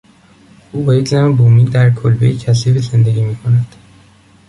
او با یک زن بومی در کلبهی کثیفی زندگی میکند.